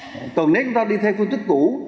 còn nếu chúng ta đi theo phương chức cũ